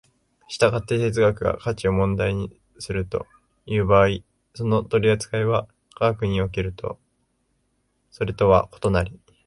従って哲学が価値を問題にするという場合、その取扱いは科学におけるそれとは異なり、